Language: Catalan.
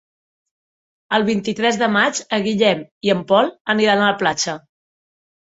El vint-i-tres de maig en Guillem i en Pol aniran a la platja.